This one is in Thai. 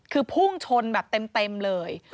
คือพุ่งชนแบบเต็มเลย